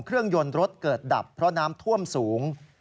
รถยนต์รถเกิดดับเพราะน้ำท่วมสูง